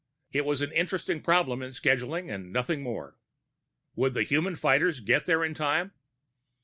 It was an interesting problem in scheduling and nothing more. Would the human fighters get there in time?